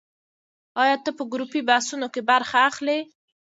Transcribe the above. ایا ته په ګروپي بحثونو کې برخه اخلې؟